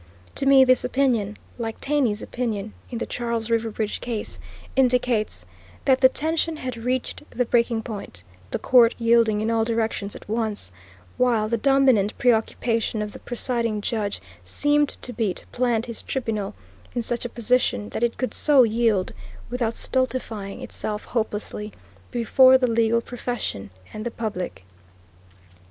To me this opinion, like Taney's opinion in the Charles River Bridge Case, indicates that the tension had reached the breaking point, the court yielding in all directions at once, while the dominant preoccupation of the presiding judge seemed to be to plant his tribunal in such a position that it could so yield, without stultifying itself hopelessly before the legal profession and the public.